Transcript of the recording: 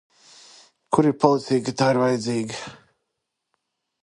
Kur ir policija, kad tā ir vajadzīga?